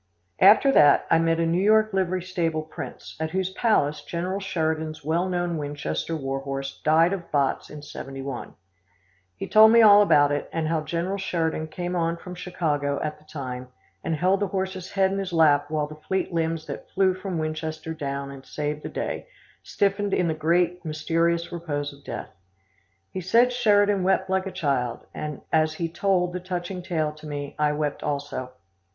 After that I met a New York livery stable prince, at whose palace General Sheridan's well known Winchester war horse died of botts in '71. He told me all about it and how General Sheridan came on from Chicago at the time, and held the horse's head in his lap while the fleet limbs that flew from Winchester down and saved the day, stiffened in the great, mysterious repose of death. He said Sheridan wept like a child, and as he told the touching tale to me I wept also.